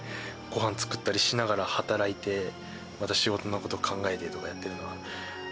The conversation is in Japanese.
ごはん作ったりしながら働いて、また仕事のこと考えてとかやってるのは。